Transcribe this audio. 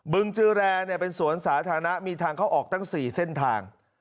ึงจือแรเป็นสวนสาธารณะมีทางเข้าออกตั้ง๔เส้นทาง